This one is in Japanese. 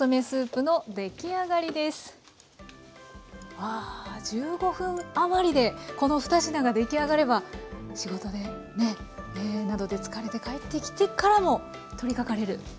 わあ１５分余りでこの２品が出来上がれば仕事でねなどで疲れて帰ってきてからも取りかかれる。